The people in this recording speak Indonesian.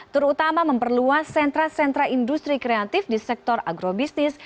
terutama memperluas sentra sentra industri kreatif di sektor agrobisnis